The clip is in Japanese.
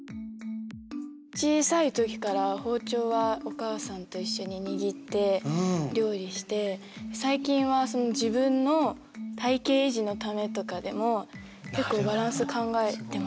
小さい時から包丁はお母さんと一緒に握って料理して最近は自分の体形維持のためとかでも結構バランス考えてます。